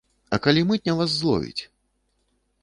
А калі мытня вас зловіць?